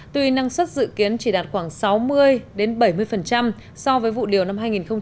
tuy năng suất dự kiến chỉ đạt khoảng sáu mươi bảy mươi so với vụ điều năm hai nghìn một mươi chín